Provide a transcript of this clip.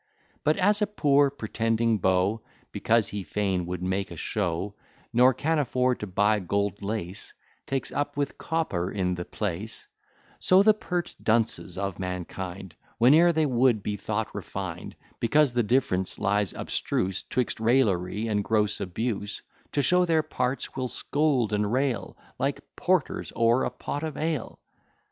But as a poor pretending beau, Because he fain would make a show, Nor can afford to buy gold lace, Takes up with copper in the place: So the pert dunces of mankind, Whene'er they would be thought refined, Because the diff'rence lies abstruse 'Twixt raillery and gross abuse, To show their parts will scold and rail, Like porters o'er a pot of ale.